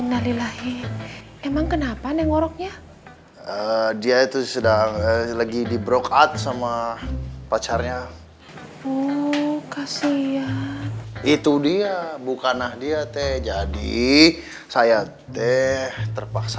dia itu sedang lagi di brokat sama pacarnya itu dia bukanlah dia teh jadi saya teh terpaksa